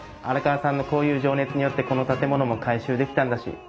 荒川さんのこういう情熱によってこの建物も改修できたんだし。